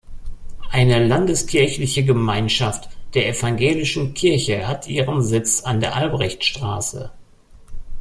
Eine landeskirchliche Gemeinschaft der evangelischen Kirche hat ihren Sitz an der Albrechtstraße.